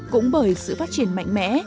cũng bởi sự phát triển mạnh mẽ